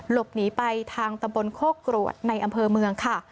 หลบหนีไปทางตำบลโคกรวดในอำเภอเมืองค่ะ